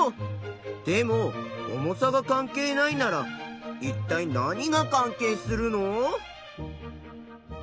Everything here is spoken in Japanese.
でも重さが関係ないならいったい何が関係するの？